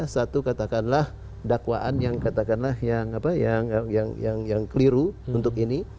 satu katakanlah dakwaan yang katakanlah yang apa yang yang yang yang keliru untuk ini